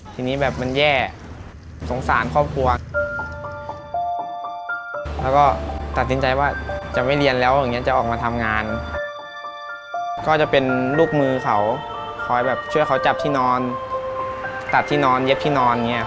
ทีนี้แบบมันแย่สงสารครอบครัวแล้วก็ตัดสินใจว่าจะไม่เรียนแล้วอย่างนี้จะออกมาทำงานก็จะเป็นลูกมือเขาคอยแบบช่วยเขาจับที่นอนตัดที่นอนเย็บที่นอนอย่างเงี้